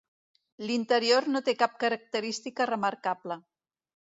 L'interior no té cap característica remarcable.